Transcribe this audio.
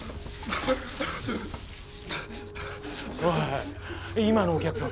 おい今のお客さん